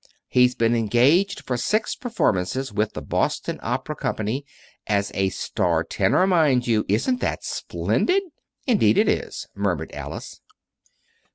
He's been engaged for six performances with the Boston Opera Company as a star tenor, mind you! Isn't that splendid?" "Indeed it is," murmured Alice.